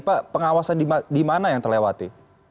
pak pengawasan di mana yang terlewati